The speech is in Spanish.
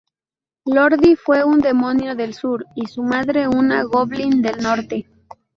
Lordi fue un demonio del Sur y su madre una goblin del Norte.